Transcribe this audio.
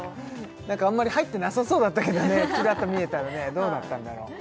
あんまり入ってなさそうだったけどねチラッと見えたらねどうだったんだろう